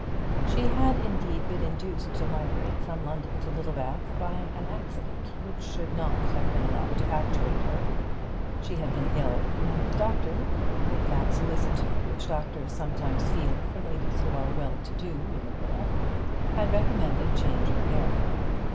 She had indeed been induced to migrate from London to Littlebath by an accident which should not have been allowed to actuate her. She had been ill, and the doctor, with that solicitude which doctors sometimes feel for ladies who are well to do in the world, had recommended change of air.